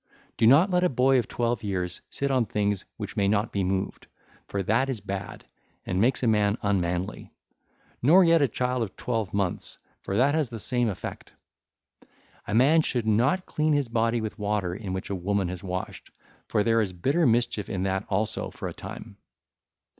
(ll. 750 759) Do not let a boy of twelve years sit on things which may not be moved 1339, for that is bad, and makes a man unmanly; nor yet a child of twelve months, for that has the same effect. A man should not clean his body with water in which a woman has washed, for there is bitter mischief in that also for a time.